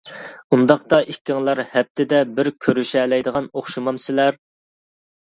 -ئۇنداقتا ئىككىڭلار ھەپتىدە بىر كۆرۈشەلەيدىغان ئوخشىمامسىلەر؟ !